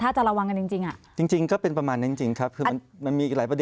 ถ้าจะระวังกันจริงอ่ะ